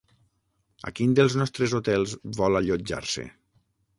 A quin dels nostres hotels vol allotjar-se?